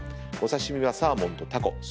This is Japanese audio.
お刺し身はサーモンとタコ。